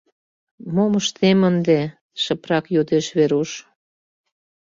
— Мом ыштем ынде? — шыпрак йодеш Веруш.